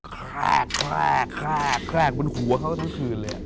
แคล่ฆ่าแครกบนหัวเขาทั้งคืนเลย